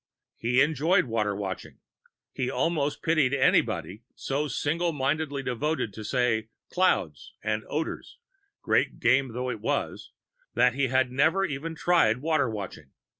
He enjoyed Water Watching. He almost pitied anybody so single mindedly devoted to, say, Clouds and Odors great game though it was that he had never even tried Water Watching.